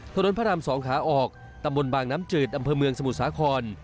พระราม๒ขาออกตำบลบางน้ำจืดอำเภอเมืองสมุทรสาคร